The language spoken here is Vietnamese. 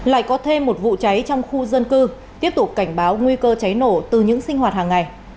lại có thêm một vụ cháy trong khu dân cư tiếp tục cảnh báo nguy cơ cháy nổ từ những sinh hoạt hàng ngày